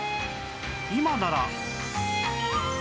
今なら